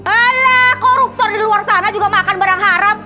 oleh koruptor di luar sana juga makan barang haram